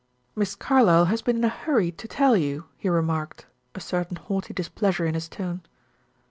"Miss Carlyle has been in a hurry to tell you," he remarked a certain haughty displeasure in his tone.